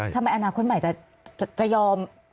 ทำไมอนาคตใหม่จะยอม